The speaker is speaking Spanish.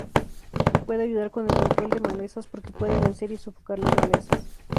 Puede ayudar con el control de malezas porque puede vencer y sofocar las malezas.